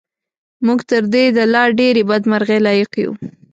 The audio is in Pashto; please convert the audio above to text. موږ تر دې د لا ډېرې بدمرغۍ لایق یو.